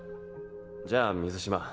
じゃあ水嶋